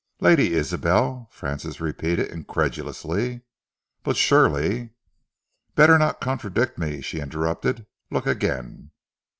"Lady Isabel?" Francis repeated incredulously. "But surely " "Better not contradict me," she interrupted. "Look again."